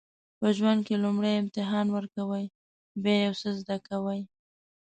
په ژوند کې لومړی امتحان ورکوئ بیا یو څه زده کوئ.